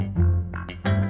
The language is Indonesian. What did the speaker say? aku mau kemana